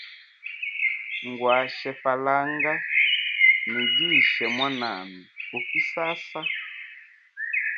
Ngwashe falanga, nigishe mwanami u kisasa.